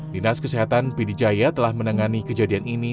dinas kesehatan pidijaya telah menangani kejadian ini